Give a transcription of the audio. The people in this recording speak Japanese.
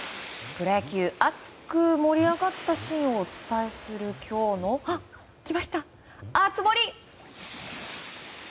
プロ野球、熱く盛り上がったシーンをお伝えするきょうの熱盛！